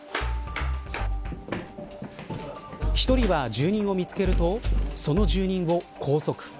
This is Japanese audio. １人は住人を見つけるとその住人を拘束。